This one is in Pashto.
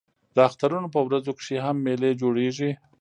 د اخترونو په ورځو کښي هم مېلې جوړېږي.